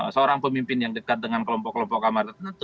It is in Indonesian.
seorang pemimpin yang dekat dengan kelompok kelompok kamar